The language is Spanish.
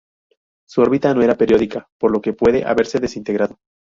Su órbita no era periódica, por lo que puede haberse desintegrado.